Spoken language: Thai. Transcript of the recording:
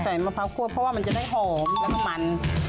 ใส่มะพร้าวคั่วเพราะว่ามันจะได้หอมและมัน